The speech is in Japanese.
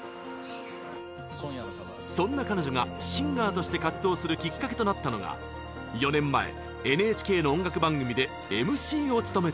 そんな彼女がシンガーとして活動するきっかけとなったのが４年前ＮＨＫの音楽番組でＭＣを務めたこと。